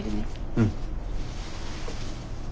うん。